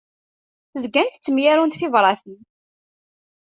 Zgant ttemyarunt tibratin.